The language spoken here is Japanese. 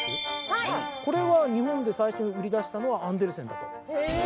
これは日本で最初に売り出したのはアンデルセンだと。